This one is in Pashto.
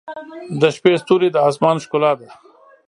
• د شپې ستوري د آسمان ښکلا ده.